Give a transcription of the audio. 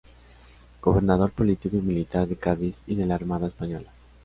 Gobernador político y militar de Cádiz y de la Armada española.